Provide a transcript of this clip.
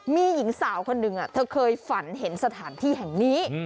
มีหญิงสาวคนหนึ่งเธอเคยฝันเห็นสถานที่แห่งนี้